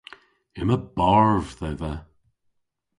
Yma barv dhedha.